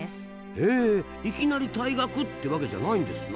へえいきなり退学ってわけじゃないんですな。